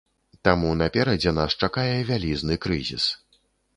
Таму наперадзе нас чакае вялізны крызіс.